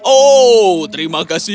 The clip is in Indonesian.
oh terima kasih